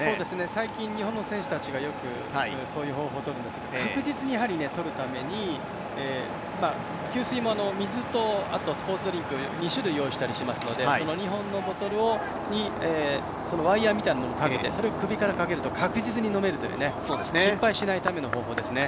最近日本の選手たちがよくそういう方法を取るんですが確実にとるために給水も水とスポーツドリンク２種類用意したりしているので、ワイヤーみたいなものをかけてそれを首からかけると確実に飲めるという、失敗しないための方法ですね。